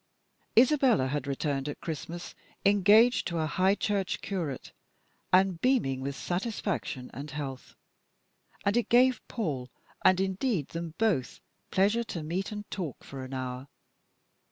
Isabella had returned at Christmas, engaged to a High Church curate, and beaming with satisfaction and health. And it gave Paul, and indeed them both, pleasure to meet and talk for an hour.